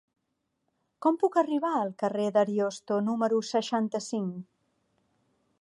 Com puc arribar al carrer d'Ariosto número seixanta-cinc?